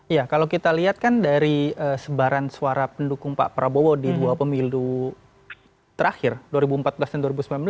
ya kalau kita lihat kan dari sebaran suara pendukung pak prabowo di dua pemilu terakhir dua ribu empat belas dan dua ribu sembilan belas